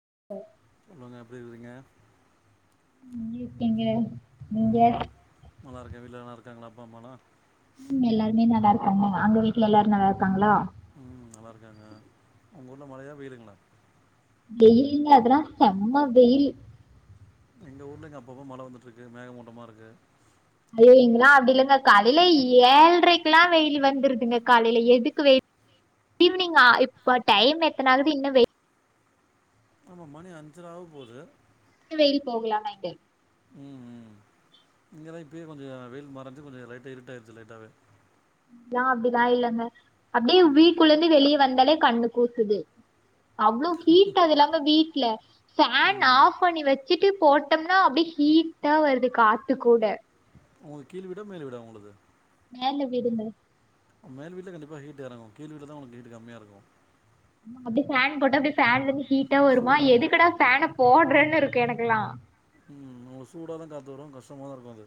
[inaudible] சொல்லுங்க எப்டி இருக்றீங்க உம் இருக்கேங்க நீங்க நல்லாருக்கே வீட்ல எல்லாருக்காங்ளா அப்பா அம்மாலா உம் எல்லாருமே நல்லாருக்காங்க அங்க வீட்ல எல்லாரு நல்லாருக்காங்களா உம் நல்லாருக்காங்க உங்க ஊர்ல மழயா வெய்லுங்ளா வெயிலில்ல அதல்லா செம்ம வெயில் எங்க ஊர்ல இங்க அப்பப்ப மழை வந்துட்ருக்கு மேகமூட்டமாருக்கு ஐய்யோ இங்களா அப்டி இல்லங்க காலேயில ஏழரைக்குல்லா வெயில் வந்துருதுங்க காலைல எதுக்கு வெயில் டீவ்னிங்கா இப்ப டைம் எத்தன ஆகுது இன்னு வெய் ஆமா மணி அஞ்சர ஆவ போது இன்னு வெயில் போகல ஆனா இங்க உம் ஊம் இங்கலா இப்பயே கொஞ்ச வெயில் மறஞ்சு கொஞ்ச லைட்டா இருட்டாய்ட்ச்சி லைட்டாவே இங்லா அப்டிலா இல்லங்க அப்டியே ம் வீட்குள்ளர்ந்து வெளிய வந்தாலே கண்ணு கூசுது அவ்ளோ ஹீட் அது இல்லாம வீட்ல ஃபேன் ம் ஆஃப் பண்ணி வச்சிட்டு போட் டம்னா அப்டே ஹீட்டா வருது காத்து கூட உங்ளுக் கீழ்வீடா மேல் வீடா உங்ளுது மேல வீடுங்க மேல் வீட்ல கண்டிப்பா ஹீட் எறங்கு கீழ் வீட்ல தா உங்களுக் ஹீட் கம்மியாருக்கு ஆமாங்க அப்டே ஃபேன் போட்டா அப்டே ஃபேன்லருந்து ஹீட்டா சூ வருமா எதுக்குடா ஃபேன போட்றனுருக் கு எனக்குல்லா உம் சூடா தா காத்து வரு கஷ்டமா தா இருக்கு அது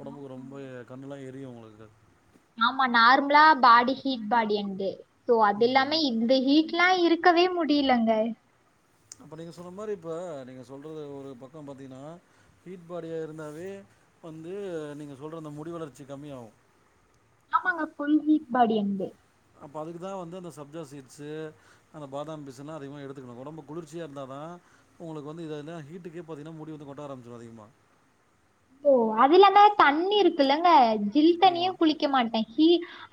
ஒடம்புக்கு ரொம்ப கண்ணெல்லா எர் ரியு உங்களுக்கு ஆமா நார்ம்லா பாடி ஹீட் பாடி என்து சோ அது ம் இல்லாம இந்த ஹீட்லா இருக் கவே முடிலங்க அப்ப நீங்க சொன்ன மாரி இப்ப நீங்க சொல்றது ஒரு பக்கோ பாத்தீங்கனா ஹீட் பாடியா இருந்தாவே வந்து நீங்க சொல்ற அந்த முடி வளர்ச்சி கம்மியாவு [inaudible] மாங்க ஃபுல் ஹீட் பாடி என்து அப்போ அதுக்கு தா வந்து அந்த சப்ஜா சீட்ஸு அந்த பாதாம் பிசின்லா அதிகமா எடுத்துக்கனு ஒடம்பு குளிர்ச்சியா இர்ந்தா தா உங்ளுக்கு வந்து இது அந்த ஹீட்டுக்கே பாத்தீங்னா முடி வந்து கொட்ட ஆரம்பிச்சிரு அதிகமா [inaudible] ஓ அதுல்லாம தண்ணி இருக்குல்லங்க ஜில் தண்ணியே ஆமாம் குளிக்க மாட்டே ஹீ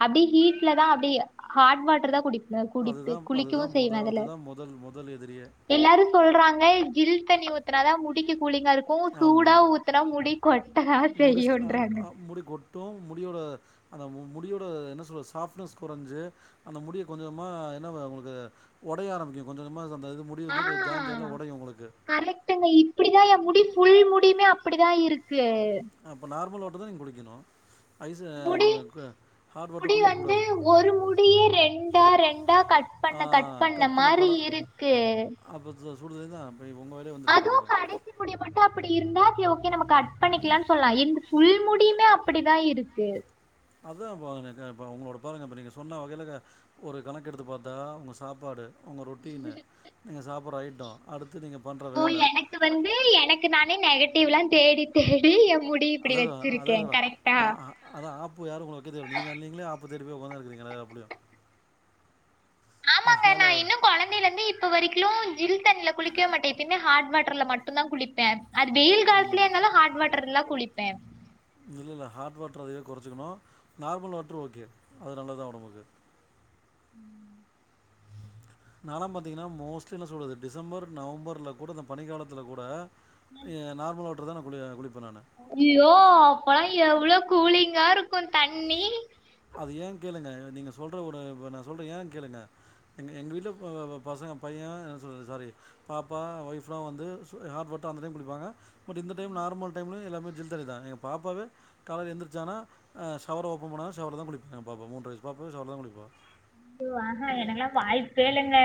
அப்டி ஹீட்ல தா அப்டியே ஹாட் வாட்ரு தா குடி ல குடித்து அதுதான் குளிக்கவு அதுதான் முத செய்வே அதுல அதுதான் முதல் முதல் எதிரியே எல்லாரு சொல்றாங்க ஜில் தண்ணி ஊத்துனாதா முடிக்கு கூலிங்கா இருக்கு சூடா ஊத்துனா முடி கொட்டதா முடி ஸ்ட்ராமா செய்யுன்றாங்க அ முடி கொட்டு முடியோட அந்த முடியோட என்ன சொல்றது சாஃப்ட்னஸ் கொறஞ்சி அந்த முடிய கொஞ்சமா என்ன அ உங்களுக்கு ஒடய ஆரம்பிக்கு கொஞ்ச கொஞ்சமா சம் ஆ கரெக்ட்டுங்க இப்டி தா எ முடி ஃபுல் முடியுமே அப்பிடி தா இருக்கு அப்போ நார்மல் வாட்டர் தா நீங் குளிக்கனு ஐஸு முடி ம க ஹாட் வாட்ரு முடி குளிக்க வந்து கூடாது ஒரு முடியே ரெண்டா ரெண்டா கட் பண்ண ஆ கட் பண்ண மாரி இருக்கு அப்ப சோ சுடுதண்ணி தா அதுவு கடைசி முடி மட்டு அப்டி இருந்தா ஓகே ஓகே நம்ம கட் பண்ணிக்கலானு சொல்லா இந்த ஃபுல் முடியுமே அப்பிடி தா இருக்கு அதா இப்போ எனக்கே இப்போ உங்களோட பாருங்க இப்போ நீங்க சொன்ன வகைலக ஒரு கணக்கெடுத்து பாத்தா உங்க சாப்பாடு உங்க ரொட்டீனு நீங்க சாப்பட்ற ஐட்டோ அடுத் ஓ எனக்கு வந்து எனக்கு நானே நெகட்டீவ்லா தேடி தேடி எ முடிய இப்டி அதான் வெச்சிருக்கே கரெக்ட்டா பு யாரு உங்கள வெக்க தேவல்ல நீங்க நீங்களே ஆப்ப தேடி போய் ஒக்காந்துருக்கறீங்களே அப்டியு ஆமாங்க நா இன்னு கொழந்தைலர்ந்து இப்ப வரை க்ளு ஜில் தண்ல குளிக்கவே மாட்டே எப்பயுமே ஹாட் வாட்டர்ல மட்டுந்தா குளிப்பே அது வெயில் கால்த்துலயா இர்ந்தாலு ஹாட் வாட்டர்லா குளிப்பே இல்லல்ல ஹாட் வாட்டரு அதைவே கொறச்சிக்கனு நார்மல் வாட்ரு ஓகே அது நல்லத் தா ஒடம்புக்கு ம் நாலா பாத்தீங்கனா மோஸ்ட்லி என்ன சொல்றது டிசம்பர் நவம்பர்ல கூட இந்த பனி காலத்துல கூட எ நார்மல் வாட்ரு தா குளி அ குளிப் ஐய்யோ அப்பல்லா எவ்ளோ கூலிங்கா இருக்கு தண்ணி அது ஏ கேளுங்க நீங்க சொல்ற ஒன்னு இப்ப நா சொல்ற ஏ கேளுங்க எங்க எங்க வீட்ல ப ப ப பசங்க பை ய என்ன சொல்றது சாரி பாப்பா, ஒய்ஃப்லா வந்து சு அ ஹாட் வாட் தா அந்த டைம் குளிப்பாங்க பட்டு இந்த டைம் நா ர்மல் டைம்லு எல்லாமே ஜில் தண்ணி தா எங்க பாப்பாவே காலைல எந்திரிச்சானா அ ஷவர ஓப்பன் பண்ணா ஷவர்ல தா குளிப்பா எங்க பாப்பா மூன்ற வயசு பாப்பாவே ஷவர்ல தா குளிப்பா ஐயோ ஆ ஹே எனக்குலா வாய்ப்பே இல்லங்க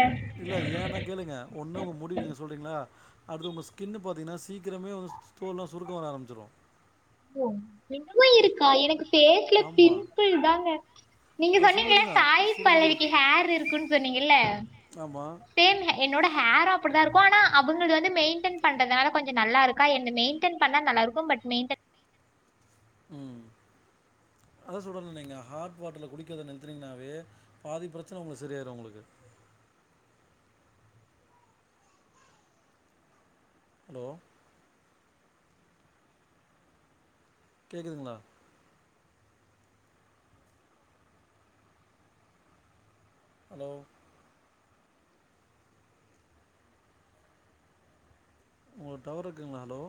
இல்ல ஏனா கேளுங்க ஒன்னு உங்க முடி நீங்க சொல்றீங்ளா அடுத்து உங்க ஸ்கின்னு பாத்தீங்னா சீக்கிரமே வந்து ஸ் தோல்லா சுருக்கோ வர ஆரம்பிச்சிரு ஓ இன்னமு இருக்கா எனக்கு ஃபேஸ்ல ஆமாம் பிம்பிள் தாங்க நீங்க அது சொன்னீங்கல்ல சுடுதண்ணி தான் சுடுதண்ணி சாய்பல்லவிக்கு தான் ஹேர் இருக்குன் சொன்னீங்கில்ல ஆமாம் சேம் எ என்னோட ஹேரு அப்டி தா இருக்கு ஆனா அவுங்கள்து வந்து மெய்ன்டென் பண்றதால கொஞ்ச நல்லாருக்கா என்து மெய்ன்டென் பண்ணா நல்லாருக்கு பட் மெய்ன்டன் ம் ஆ அதா சொல்றேன்லங்க ஹாட் வாட்டர்ல குளிக்கிறத நிறுத்துனீங்கனாவே பாதி பிரச்சனை உங்களுக்கு சரியாயிடு உங்களுக்கு அ ஹலோ கேக்குதுங்களா ஹலோ உங்களுக்கு டவர் இருக்குங்களா ஹலோ